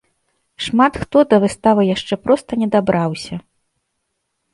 Шмат хто да выставы яшчэ проста не дабраўся.